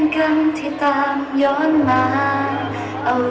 ขอบคุณทุกเรื่องราว